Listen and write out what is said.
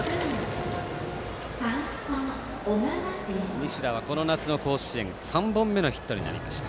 西田はこの夏の甲子園３本目のヒットになりました。